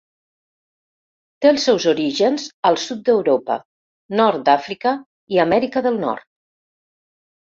Té els seus orígens al sud d'Europa, nord d'Àfrica i Amèrica del nord.